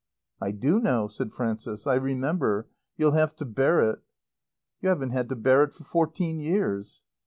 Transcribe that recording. "I do know," said Frances. "I remember. You'll have to bear it." "You haven't had to bear it for fourteen years."